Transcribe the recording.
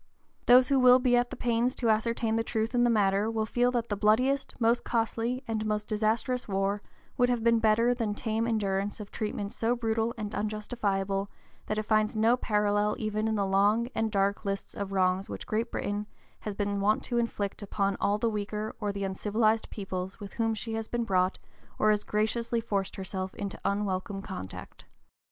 Those who will be at the pains to ascertain the truth in the matter will feel that the bloodiest, most costly, and most disastrous war would have been better than tame endurance of treatment so brutal and unjustifiable that it finds no parallel even in the long and dark list of wrongs which Great Britain has been wont to inflict upon all the weaker or the uncivilized peoples with whom she has been brought or has gratuitously forced herself into unwelcome contact.